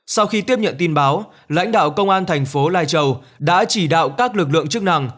sau khi tiếp nhận tin báo lãnh đạo công an thành phố lai châu đã chỉ đạo các lực lượng chức năng